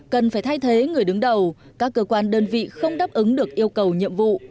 cần phải thay thế người đứng đầu các cơ quan đơn vị không đáp ứng được yêu cầu nhiệm vụ